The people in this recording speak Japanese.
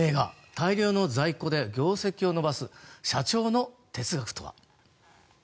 大量の在庫で業績を伸ばす社長の哲学とは。